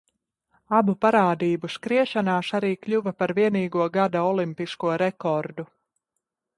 Abu parādību skriešanās arī kļuva par vienīgo gada olimpisko rekordu.